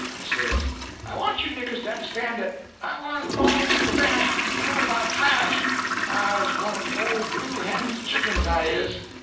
I says, 'I want you niggers to understan' dat I wa'n't bawn in de mash to be fool' by trash! I's one o' de ole Blue hen's Chickens, I is!'